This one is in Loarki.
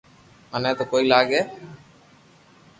مني تو ڪوئي لاگي